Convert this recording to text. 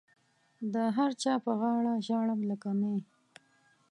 د هر چا پر غاړه ژاړم لکه نی.